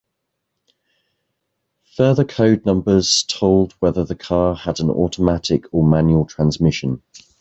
Further code numbers told whether the car had an automatic or manual transmission.